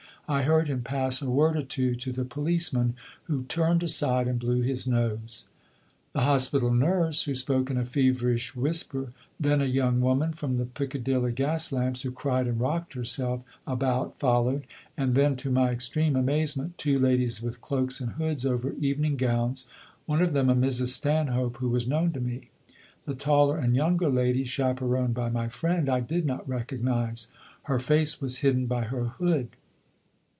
I heard him pass a word or two to the policeman, who turned aside and blew his nose. The hospital nurse, who spoke in a feverish whisper, then a young woman from the Piccadilly gas lamps, who cried and rocked herself about, followed; and then, to my extreme amazement, two ladies with cloaks and hoods over evening gowns one of them a Mrs. Stanhope, who was known to me. The taller and younger lady, chaperoned by my friend, I did not recognise. Her face was hidden by her hood.